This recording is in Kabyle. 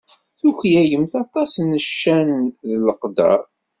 Tuklalemt aṭas n ccan d leqder.